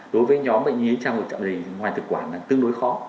đối với nhóm bệnh lý trào ngược dạ dày ngoài thực quản là tương đối khó